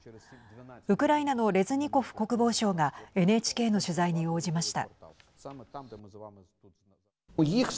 ウクライナのレズニコフ国防相がＮＨＫの取材に応じました。